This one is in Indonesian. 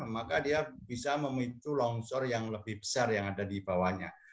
maka dia bisa memicu longsor yang lebih besar yang ada di bawahnya